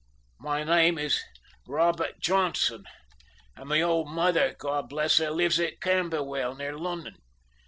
My name is Robert Johnson, and my old mother, God bless her, lives at Camberwell, near London.